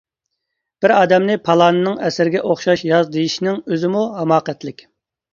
بىر ئادەمنى پالانىنىڭ ئەسىرىگە ئوخشاش ياز دېيىشنىڭ ئۆزىمۇ ھاماقەتلىك.